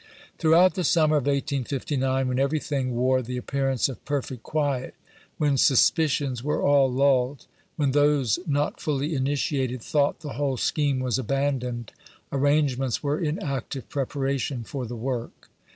Throughout the summer of 1859, when every thing wore the appearance of perfest quiet, when suspicions were all lulled, when those not fully initiated thought the whole scheme was abandoned, arrangements were in active preparation for the work.